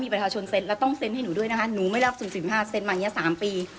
พี่รับสูง๑๕เซ็นมาอย่างนี้๓ปี